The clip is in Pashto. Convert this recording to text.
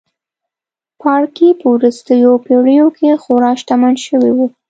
پاړکي په وروستیو پېړیو کې خورا شتمن شوي وو.